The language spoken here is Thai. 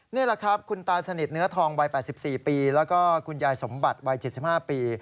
นี่แหละครับคุณตาสนิทเนื้อทองวัย๘๔ปีแล้วก็คุณยายสมบัติวัย๗๕ปี